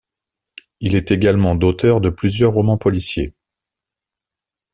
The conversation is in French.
Il est également d'auteur de plusieurs romans policiers.